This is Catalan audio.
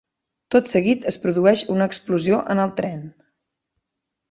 Tot seguit es produeix una explosió en el tren.